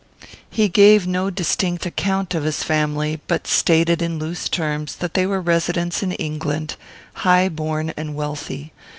He gave no distinct account of his family, but stated, in loose terms, that they were residents in England, high born and wealthy.